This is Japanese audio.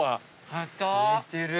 すいてる。